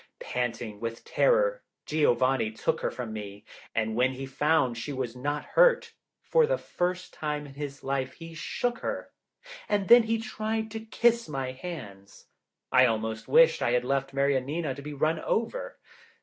Panting with terror, Giovanni took her from me, and when he found she was not hurt, for the first time in his life he shook her. And then he tried to kiss my hands; I almost wished I had left Mariannina to be run over.